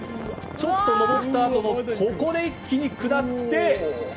ちょっと上ったあとのここで一気に下って。